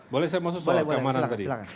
boleh saya maksud soal keamanan tadi